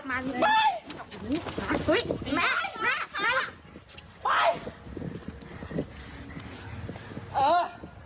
แยกประโกะแยกประโกะเนี่ยพ่อและแม่กู